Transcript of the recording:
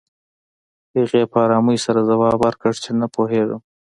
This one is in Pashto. هغې په ارامۍ سره ځواب ورکړ چې نه پوهېږم